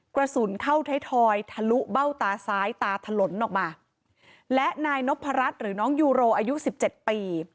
กระสุนเข้าไทยทอยทะลุเบ้าตาซ้ายตาถลนออกมาและนายนพรัชหรือน้องยูโรอายุสิบเจ็ดปี